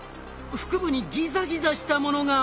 腹部にギザギザしたものが。